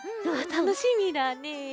たのしみだね。